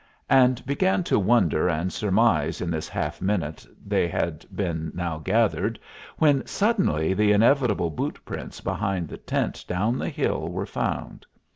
and began to wonder and surmise in this half minute they had been now gathered, when suddenly the inevitable boot prints behind the tent down the hill were found.